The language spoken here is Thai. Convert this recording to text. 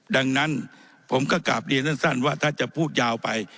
ดังนั้นผมก็กลับเรียนสั้นว่าถ้าจะพูดยาวไป